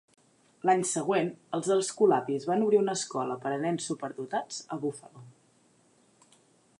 L'any següent, els Escolapis van obrir una escola per a nens superdotats a Buffalo.